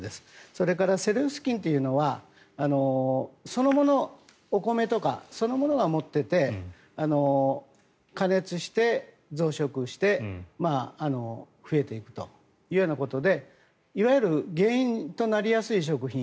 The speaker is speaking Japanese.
それからセレウス菌というのはお米とかそのものが持っていて加熱して、増殖して増えていくということでいわゆる原因となりやすい食品